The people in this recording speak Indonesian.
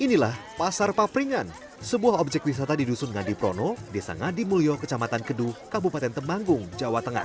inilah pasar papringan sebuah objek wisata di dusun ngadi prono desa ngadi mulyo kecamatan keduh kabupaten tembanggung jawa tengah